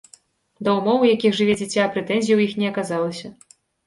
Да ўмоў, у якіх жыве дзіця, прэтэнзій у іх не аказалася.